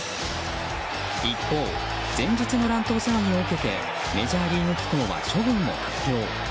一方、前日の乱闘騒ぎを受けてメジャーリーグ機構は処分を発表。